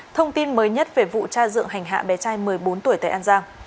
thông tin mới nhất về vụ tra dựng hành hạ bé trai một mươi bốn tuổi tại an giang